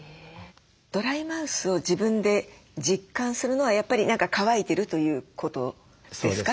ドライマウスを自分で実感するのはやっぱり何か渇いてるということですか？